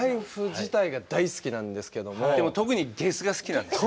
でも特にゲスが好きなんでしょ？